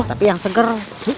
tapi yang seger